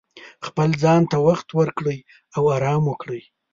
خپل ځان ته وخت ورکړئ او ارام وکړئ.